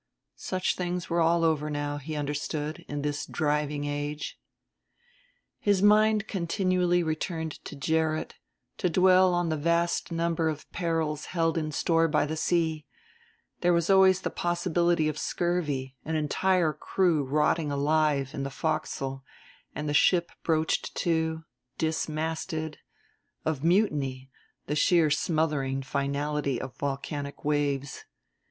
Such things were all over now, he understood, in this driving age. His mind continually returned to Gerrit, to dwell on the vast number of perils held in store by the sea; there was always the possibility of scurvy, an entire crew rotting alive in the forecastle and the ship broached to, dismasted; of mutiny; the sheer smothering finality of volcanic waves.